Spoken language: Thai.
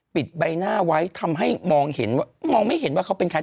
ปิดใบหน้าไว้ทำให้มองเห็นว่ามองไม่เห็นว่าเขาเป็นใคร